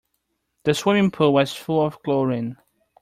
The swimming pool was full of chlorine.